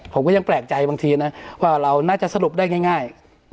ผมก็ยังแปลกใจบางทีนะว่าเราน่าจะสรุปได้ง่าย